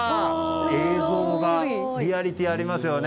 映像がリアリティーありますよね。